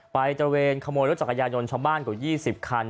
ตระเวนขโมยรถจักรยายนต์ชาวบ้านกว่า๒๐คัน